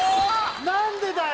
何でだよ！